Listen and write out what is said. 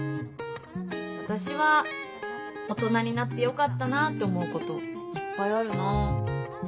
私は大人になってよかったなぁって思うこといっぱいあるな。